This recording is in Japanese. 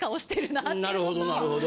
なるほどなるほど。